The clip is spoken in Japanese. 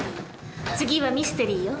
次はミステリーよ。